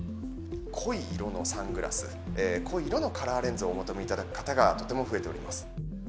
濃い色のサングラス、濃い色のカラーレンズをお求めいただく方がとても増えております。